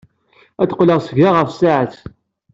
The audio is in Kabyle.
Ad d-qqleɣ seg-a ɣef tsaɛet.